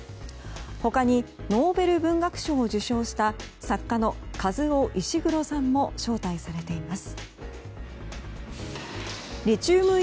他にノーベル文学賞を受賞した作家のカズオイシグロさんも招待されています。